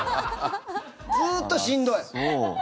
ずっとしんどい。